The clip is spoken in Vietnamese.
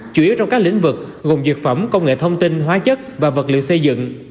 chủ yếu trong các lĩnh vực gồm dược phẩm công nghệ thông tin hóa chất và vật liệu xây dựng